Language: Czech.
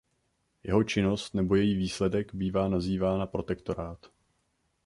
Jeho činnost nebo její výsledek bývá nazývána protektorát.